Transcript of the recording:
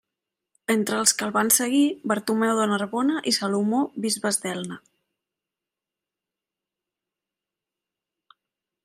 Entre els que el van seguir Bartomeu de Narbona i Salomó bisbes d'Elna.